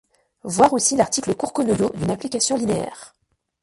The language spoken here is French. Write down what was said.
Voir aussi l'article court Conoyau d'une application linéaire.